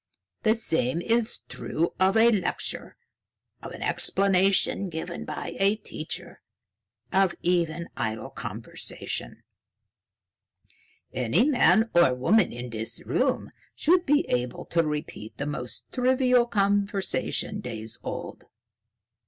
The same is true of a lecture, of an explanation given by a teacher, of even idle conversation. Any man or woman in this room should be able to repeat the most trivial conversation days old."